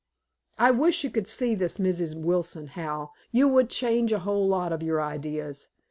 I wish you could see this Mrs. Wilson, Hal. You would change a whole lot of your ideas.